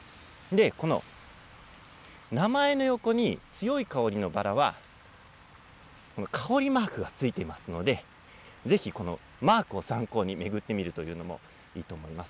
この名前の横に、強い香りのバラは、香りマークが付いてますので、ぜひこのマークを参考に巡ってみるというのもいいと思います。